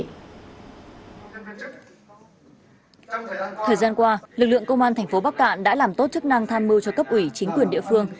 thời gian qua lực lượng công an thành phố bắc cạn đã làm tốt chức năng tham mưu cho cấp ủy chính quyền địa phương